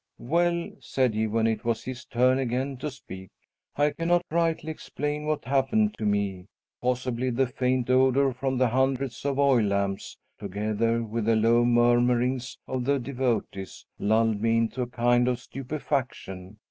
"Well," said he, when it was his turn again to speak, "I cannot rightly explain what happened to me. Possibly the faint odor from the hundreds of oil lamps, together with the low murmurings of the devotees, lulled me into a kind of stupefaction.